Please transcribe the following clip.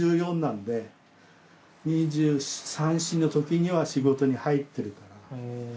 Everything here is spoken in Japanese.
なんで２３２４のときには仕事に入ってるから。